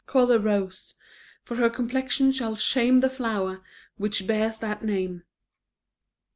Call her Rose, for her complexion shall shame the flower which bears that name."